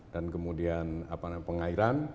dan kemudian pengairan